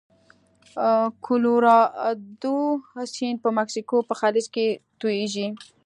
کلورادو سیند په مکسیکو په خلیج کې تویږي.